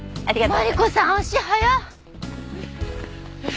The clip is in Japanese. マリコさん足速っ。